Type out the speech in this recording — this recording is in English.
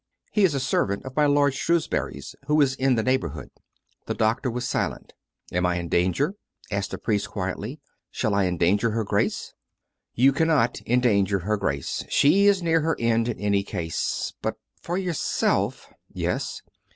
" He is a servant of my lord Shrewsbury's who is in the neighbourhood." The doctor was silent. " Am I in danger? " asked the priest quietly. " Shall I endanger her Grace? " 346 COME RACK! COME ROPE! " You cannot endanger her Grace. She is near her end in any case. But for yourself "" Yes."